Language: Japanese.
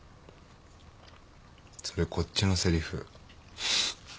それこっちのセリフ。